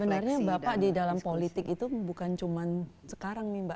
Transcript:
sebenarnya bapak di dalam politik itu bukan cuma sekarang nih mbak